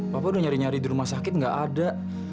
papa udah nyari nyari di rumah sakit nggak ada